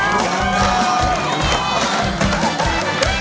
โน่นนายโน่นนาย